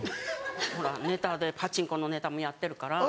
ほらネタでパチンコのネタもやってるから。